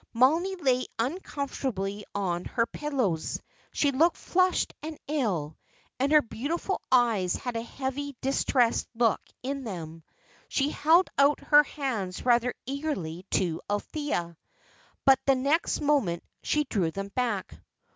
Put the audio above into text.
Mollie lay uncomfortably on her pillows; she looked flushed and ill, and her beautiful eyes had a heavy, distressed look in them. She held out her hands rather eagerly to Althea, but the next moment she drew them back.